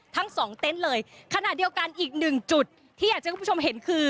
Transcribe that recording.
ทั้งสองเต็นต์เลยขณะเดียวกันอีกหนึ่งจุดที่อยากจะให้คุณผู้ชมเห็นคือ